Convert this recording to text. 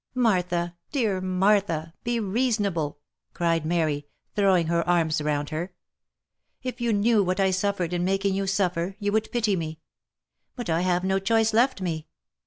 " Martha ! dear Martha ! Be reasonable !" cried Mary, throwing her arms round her. " If you knew what I suffered in making you suffer, you would pity me ! But I have no choice left me.